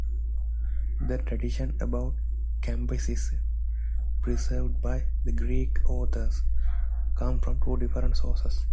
The traditions about Cambyses, preserved by the Greek authors, come from two different sources.